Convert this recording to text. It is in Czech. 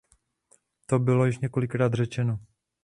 To bylo již několikrát řečeno.